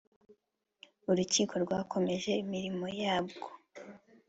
urukiko rwakomeje imirimo yabwo